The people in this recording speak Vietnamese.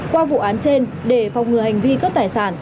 qua vụ án trên để phòng ngừa hành vi cướp tài sản